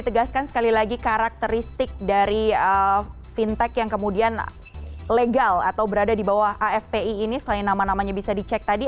tegaskan sekali lagi karakteristik dari fintech yang kemudian legal atau berada di bawah afpi ini selain nama namanya bisa dicek tadi